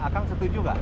kang setuju nggak